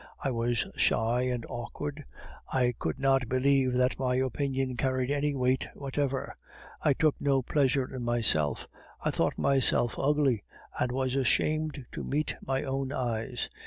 I was shy and awkward; I could not believe that my opinion carried any weight whatever; I took no pleasure in myself; I thought myself ugly, and was ashamed to meet my own eyes.